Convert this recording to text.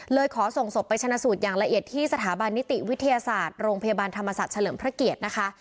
ขอส่งศพไปชนะสูตรอย่างละเอียดที่สถาบันนิติวิทยาศาสตร์โรงพยาบาลธรรมศาสตร์เฉลิมพระเกียรตินะคะ